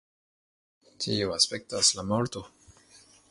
Tio aspektas la morto.